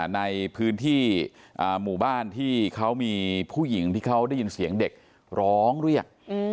ในพื้นที่หมู่บ้านที่เขามีผู้หญิงที่เขาได้ยินเสียงเด็กร้องเรียก